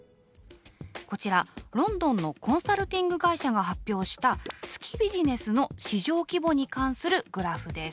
こちらロンドンのコンサルティング会社が発表した月ビジネスの市場規模に関するグラフです。